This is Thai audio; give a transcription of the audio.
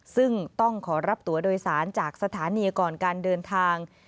ซึ่งต้องขอรับตัวโดยสารจากสถานีก่อนการเดินทาง